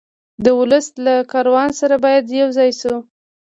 د ولس له کاروان سره باید یو ځای شو.